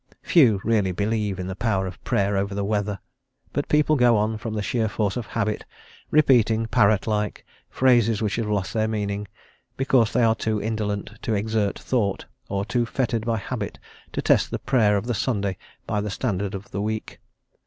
Few really believe in the power of Prayer over the weather, but people go on from the sheer force of habit, repeating, parrot like, phrases which have lost their meaning, because they are too indolent to exert thought, or too fettered by habit to test the Prayer of the Sunday by the standard of the week.